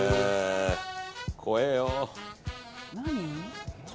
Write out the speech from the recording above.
怖えよ。